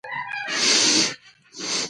کمزورو له خپلو حقونو څخه بې برخې کیږي.